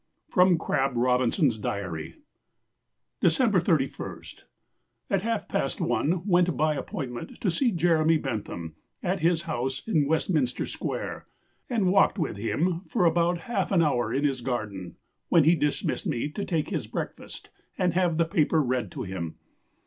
[Sidenote: Crabb Robinson's Diary.] "December 31st. At half past one went by appointment to see Jeremy Bentham, at his house in Westminster Square, and walked with him for about half an hour in his garden, when he dismissed me to take his breakfast and have the paper read to him.